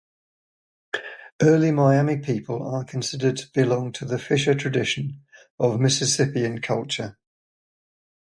Early Miami people are considered to belong to the Fischer Tradition of Mississippian culture.